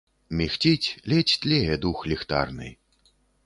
Мігціць, ледзь тлее дух ліхтарны.